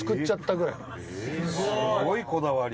伊達：すごいこだわり。